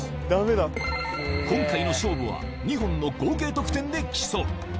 今回の勝負は２本の合計得点で競う。